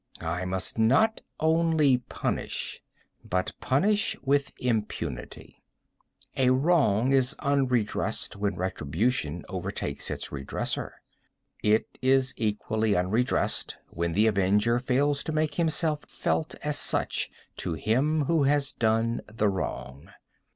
I must not only punish, but punish with impunity. A wrong is unredressed when retribution overtakes its redresser. It is equally unredressed when the avenger fails to make himself felt as such to him who has done the wrong.